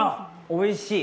おいしい！